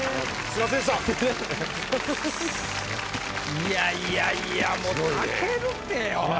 いやいやいやもう武尊っておい。